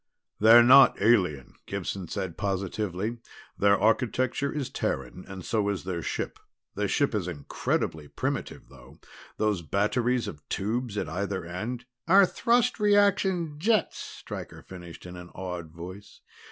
"They're not alien," Gibson said positively. "Their architecture is Terran, and so is their ship. The ship is incredibly primitive, though; those batteries of tubes at either end " "Are thrust reaction jets," Stryker finished in an awed voice.